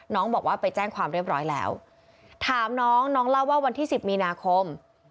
น้องบอกว่าไปแจ้งความเรียบร้อยแล้วถามน้องน้องเล่าว่าวันที่สิบมีนาคม